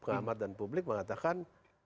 pengamat dan publik mengatakan